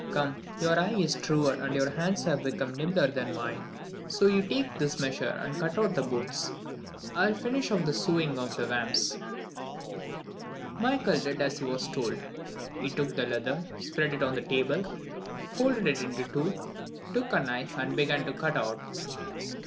Come, your eye is truer and your hands have become nimbler than mine, so you take this measure and cut out the boots. I will finish off the sewing of the vamps." Michael did as he was told. He took the leather, spread it out on the table, folded it in two, took a knife and began to cut out.